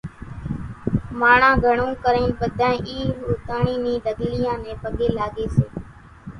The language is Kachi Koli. ماڻۿان گھڻو ڪرين ٻڌانئين اِي ھوتاۿڻي ني ڍڳليان نين پڳين لاڳي سي